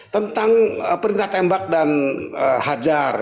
tentang perintah tembak dan hajar